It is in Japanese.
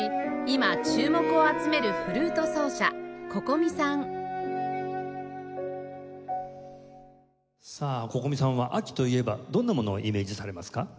今注目を集めるフルート奏者 Ｃｏｃｏｍｉ さんさあ Ｃｏｃｏｍｉ さんは秋といえばどんなものをイメージされますか？